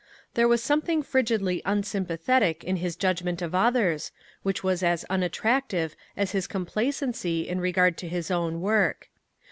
There was something frigidly unsympathetic in his judgment of others, which was as unattractive as his complacency in regard to his own work.